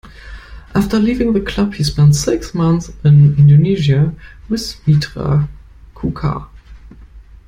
After leaving the club he spent six months in Indonesia with Mitra Kukar.